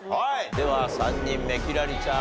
では３人目輝星ちゃん